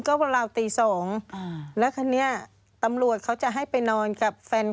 ก็เวลาตี๒แล้วคันนี้ตำรวจเขาจะให้ไปนอนกับแฟนเขา